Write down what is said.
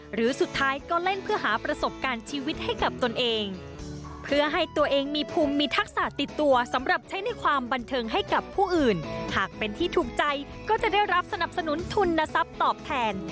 หากเป็นที่ถูกใจก็จะได้รับสนับสนุนทุนนทรัพย์ตอบแทน